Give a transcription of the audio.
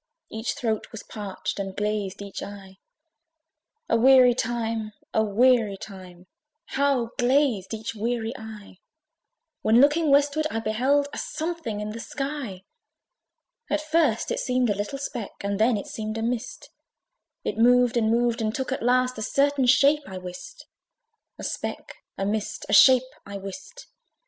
Each throat Was parched, and glazed each eye. A weary time! a weary time! How glazed each weary eye, When looking westward, I beheld A something in the sky. At first it seemed a little speck, And then it seemed a mist: It moved and moved, and took at last A certain shape, I wist. A speck, a mist, a shape, I wist!